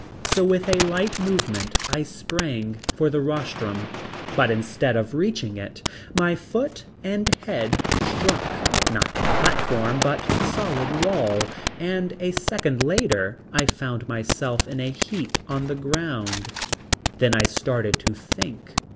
So with a light movement I sprang for the rostrum. But instead of reaching it my foot and head struck not the platform but solid wall, and a second later I found myself in a heap on the ground. Then I started to think.